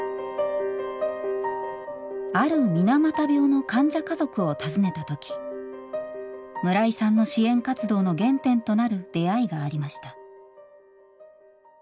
ある水俣病の患者家族を訪ねた時村井さんの支援活動の原点となる出会いがありました。